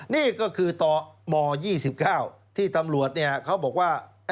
นี่ก็คือตม๒๙ที่ตำรวจเขาบอกว่า